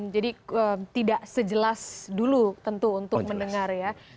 jadi tidak sejelas dulu tentu untuk mendengar ya